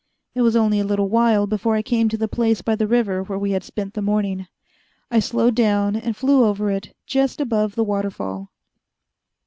It was only a little while before I came to the place by the river where we had spent the morning. I slowed down, and flew over it, just above the waterfall.